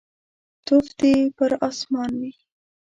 توف دي پر اسمان وي.